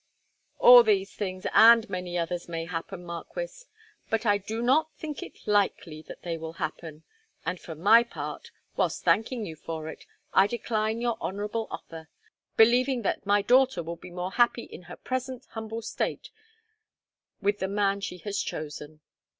'" "All these things, and many others, may happen, Marquis; but I do not think it likely that they will happen, and for my part, whilst thanking you for it, I decline your honourable offer, believing that my daughter will be more happy in her present humble state with the man she has chosen.